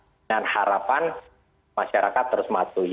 dengan harapan masyarakat terus mematuhi